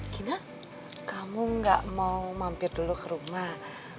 gina kamu gak mau mampir dulu ke rumah